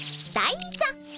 いざ